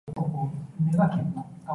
唔好㨂飲擇食啦